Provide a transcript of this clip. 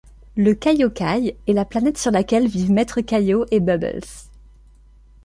Le Kaiokaï est la petite planète sur laquelle vivent Maître Kaio et Bubbles.